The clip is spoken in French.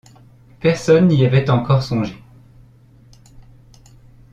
Personne n’y avait encore songé.